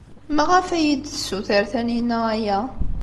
Maɣef ay iyi-d-tessuter Taninna aya?